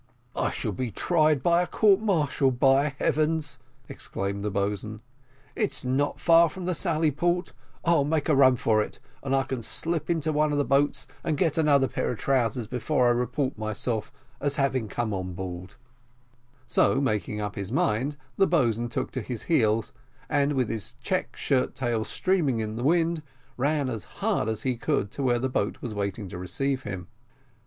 "I shall be tried by a court martial, by heavens!" exclaimed the boatswain. "It's not far from the sally port; I'll make a run for it, and I can slip into one of the boats and get another pair of trousers before I report myself as having come on board;" so, making up his mind, the boatswain took to his heels, and with his check shirt tails streaming in the wind, ran as hard as he could to where the boat was waiting to receive him.